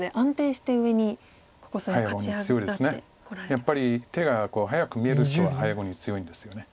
やっぱり手が早く見える人は早碁に強いんですよね。